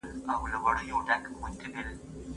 الله تعالی د مېرمنو د حقوقو يادونه کړې ده.